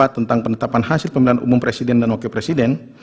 tentang penetapan hasil pemilihan umum presiden dan wakil presiden